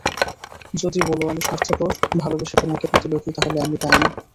যদি বলো আমি স্বার্থপর, ভালোবেসে তোমাকে পেতে লোভী, তাহলে আমি তা-ই।